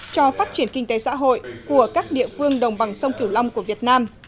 cho phát triển kinh tế xã hội của các địa phương đồng bằng sông kiều long của việt nam